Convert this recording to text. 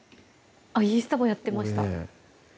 インスタもやってました